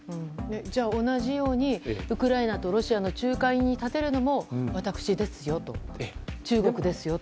じゃあ同じようにウクライナとロシアの仲介に立てるのも私ですよ、中国ですよと。